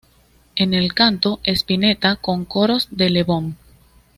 En el canto, Spinetta, con coros de Lebón.